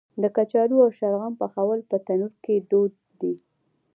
د کچالو او شلغم پخول په تندور کې دود دی.